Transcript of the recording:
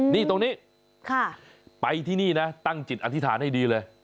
นี่ตรงนี้ไปที่นี่นะตั้งจิตอธิษฐานให้ดีเลย